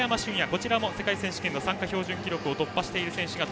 こちらも世界選手権の参加標準記録を突破している選手。